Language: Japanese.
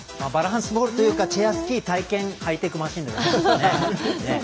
バランスボールというかチェアスキー体験ハイテクマシンです。